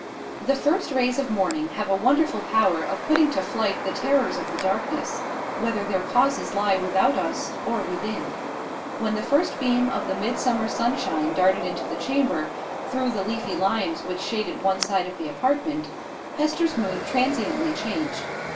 The first rays of morning have a wonderful power of putting to flight the terrors of the darkness, whether their causes lie without us or within. When the first beam of the midsummer sunshine darted into the chamber, through the leafy limes which shaded one side of the apartment, Hester's mood transiently changed.